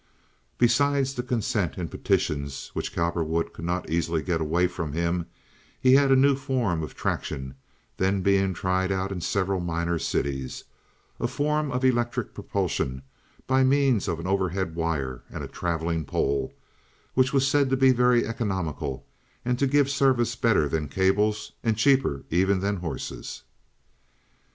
Besides the consent and petitions, which Cowperwood could not easily get away from him, he had a new form of traction then being tried out in several minor cities—a form of electric propulsion by means of an overhead wire and a traveling pole, which was said to be very economical, and to give a service better than cables and cheaper even than horses.